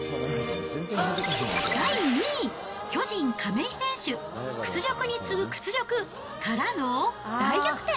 第２位、巨人、亀井選手、屈辱に次ぐ屈辱からの大逆転！